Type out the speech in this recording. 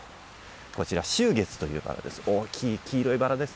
こちら、秋月というバラです。